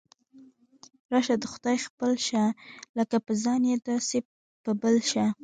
راشه د خدای خپل شه، لکه په ځان یې داسې په بل شه.